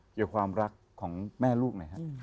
และความรักของแม่ลูกไหนฮะ